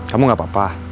kamu gak apa apa